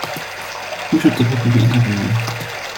Who should the paper be interviewing?